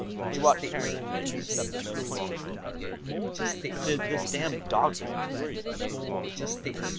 He watched Harrington make a deceptively pointless looking move. "Sid, this damn dog business worries me."